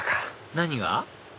何が？